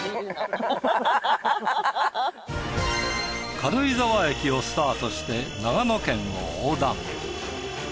軽井沢駅をスタートして長野県を横断。